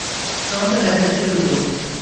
তোমাকে দেখাচ্ছি শুধু।